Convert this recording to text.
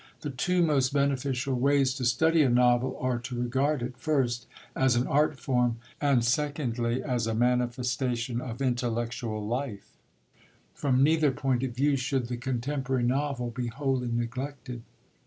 The two most beneficial ways to study a novel are to regard it, first, as an art form, and secondly as a manifestation of intellectual life; from neither point of view should the contemporary novel be wholly neglected.